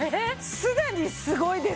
すでにすごいです。